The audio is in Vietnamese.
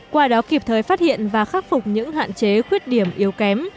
qua đó kịp thời phát hiện và khắc phục những hạn chế khuyết điểm yếu kém